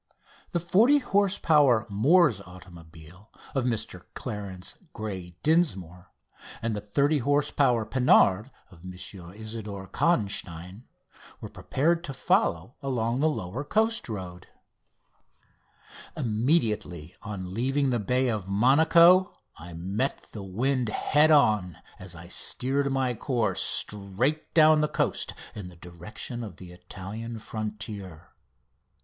The 40 horse power Mors automobile of Mr Clarence Grey Dinsmore and the 30 horse power Panhard of M. Isidore Kahenstein were prepared to follow along the lower coast road. [Illustration: "WIND A"] [Illustration: "WIND B"] Immediately on leaving the bay of Monaco I met the wind head on as I steered my course straight down the coast in the direction of the Italian frontier.